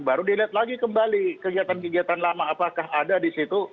baru dilihat lagi kembali kegiatan kegiatan lama apakah ada di situ